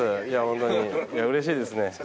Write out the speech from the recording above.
いやホントにうれしいですね。